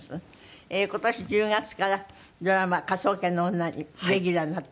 今年１０月からドラマ『科捜研の女』にレギュラーになって。